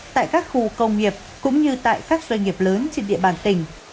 tại các khu công nghiệp cũng như tại các doanh nghiệp lớn trên địa bàn tỉnh